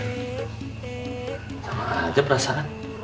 sama aja perasaan